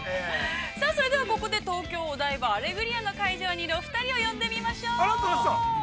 ◆それではここで東京お台場アレグリアの会場を呼んでみましょう。